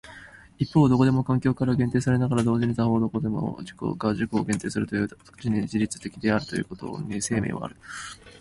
一方どこまでも環境から限定されながら同時に他方どこまでも自己が自己を限定するという即ち自律的であるというところに生命はある。